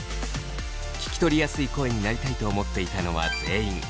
聞き取りやすい声になりたいと思っていたのは全員。